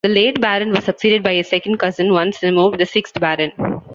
The late Baron was succeeded by his second cousin once removed, the sixth Baron.